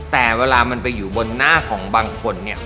แต่เวลามันไปอยู่บนหน้าของบางคนเนี่ย